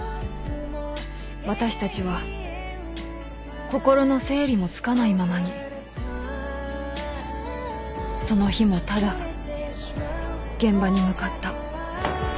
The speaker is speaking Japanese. ［私たちは心の整理もつかないままにその日もただ現場に向かった］